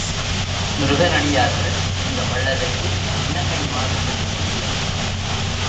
முருகனடியார்கள் இந்த வள்ளலுக்கு என்ன கைம்மாறு செய்ய முடியும்?